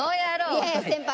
いやいや先輩。